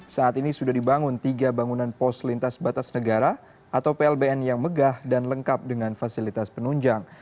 saat ini sudah dibangun tiga bangunan pos lintas batas negara atau plbn yang megah dan lengkap dengan fasilitas penunjang